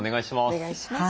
お願いします。